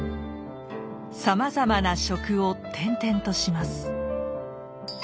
「さまざまな職」を転々とします。